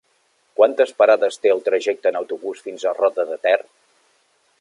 Quantes parades té el trajecte en autobús fins a Roda de Ter?